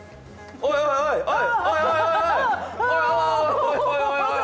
おいおいおいおい！